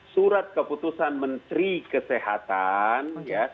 surat keputusan menteri kesehatan